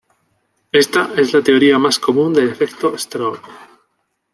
Esta es la teoría más común del efecto Stroop.